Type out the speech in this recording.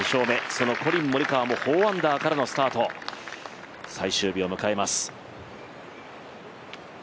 そのコリン・モリカワも４アンダーからのスタート最終日を迎えます。